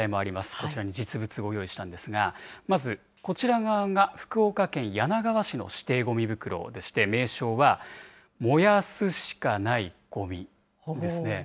こちらに実物ご用意したんですが、まず、こちら側が福岡県柳川市の指定ごみ袋でして、名称は燃やすしかないごみなんですね。